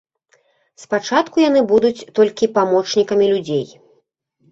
Спачатку яны будуць толькі памочнікамі людзей.